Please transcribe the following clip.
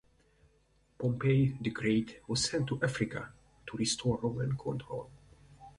Pompey the Great was sent to Africa to restore Roman control.